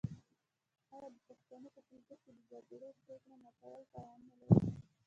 آیا د پښتنو په کلتور کې د جرګې پریکړه ماتول تاوان نلري؟